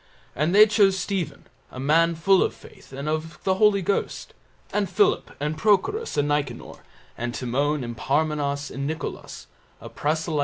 And they chose Stephen, a man full of faith and of the Holy Ghost, and Philip and Prochorus and Nicanor, and Timon and Parmenas and Nicolas, a proselyte of Antioch.